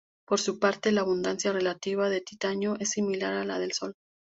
Por su parte, la abundancia relativa de titanio es similar a la del Sol.